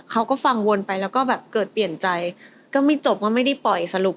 เขาก็ฟังวนไปแล้วก็แบบเกิดเปลี่ยนใจก็ไม่จบว่าไม่ได้ปล่อยสรุป